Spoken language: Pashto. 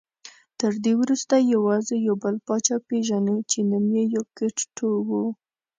تر دې وروسته یوازې یو بل پاچا پېژنو چې نوم یې یوکیت ټو و